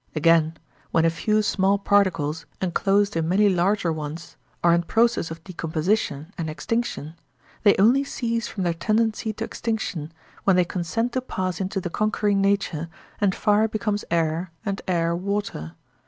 Again, when a few small particles, enclosed in many larger ones, are in process of decomposition and extinction, they only cease from their tendency to extinction when they consent to pass into the conquering nature, and fire becomes air and air water.